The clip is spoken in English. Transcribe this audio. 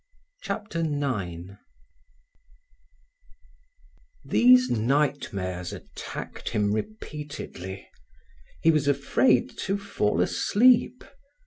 Chapter 9 These nightmares attacked him repeatedly. He was afraid to fall asleep.